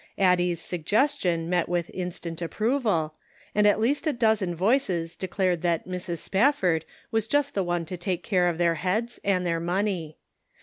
Addie?s suggestion met with instant approval, arid at least a dozen voices declared that Mrs. SpafTord was just the one to take care of their heads and their money.